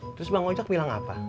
terus bang oncok bilang apa